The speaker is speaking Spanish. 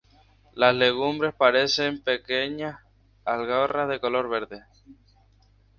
Las legumbres parecen pequeñas algarrobas de color verde.